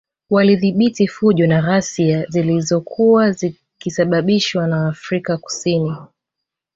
Walidhibiti fujo na ghasia zilozokuwa zikisababishwa na waafrika Kusin